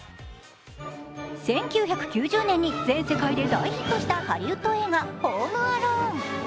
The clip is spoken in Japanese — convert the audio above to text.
１９９０年に全世界で大ヒットしたハリウッド映画「ホーム・アローン」。